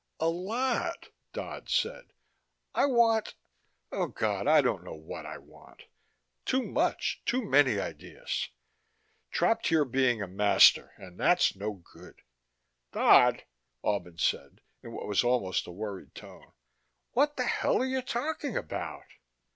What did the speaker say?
"A lot," Dodd said. "I want oh, God, I don't know what I want. Too much. Too many ideas ... trapped here being a master, and that's no good." "Dodd," Albin said, in what was almost a worried tone, "what the hell are you talking about?"